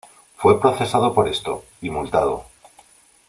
Fue procesado por esto, y multado.